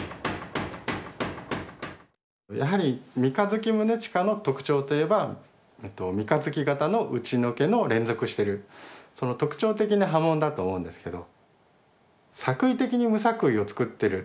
やはり三日月宗近の特徴といえば三日月型の打除けの連続してるその特徴的な刃文だと思うんですけど。